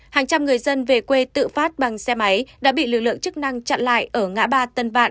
hàng trăm người dân về quê tự phát bằng xe máy đã bị lực lượng chức năng chặn lại ở ngã ba tân vạn